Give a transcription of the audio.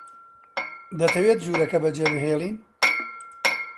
دەتەوێت ژوورەکە بەجێ بهێڵین؟